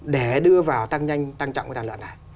để đưa vào tăng nhanh tăng trọng đàn lợn này